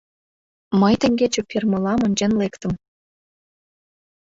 Мый теҥгече фермылам ончен лектым.